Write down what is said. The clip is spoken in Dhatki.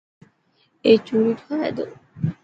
اي چوڙي ٺاهي تو.